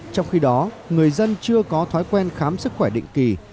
trong khi đó người dân chưa có thói quen khám sức khỏe định kỳ